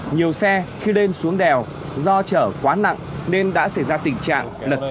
nhiều xe khi lên xuống đèo do chở quá nặng nên đã xảy ra tình trạng lật